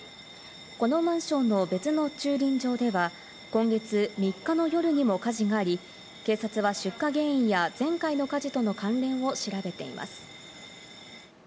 このマンションの別の駐輪場では今月３日の夜にも火事があり、警察は出火原因や前回の火事との関連を調べています。